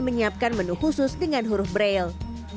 dan menyiapkan menu khusus dengan huruf braille